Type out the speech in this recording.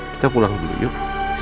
kita pulang dulu yuk